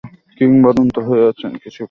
কিংকর্তব্যবিমূঢ় হয়ে থাকেন কিছুক্ষণ।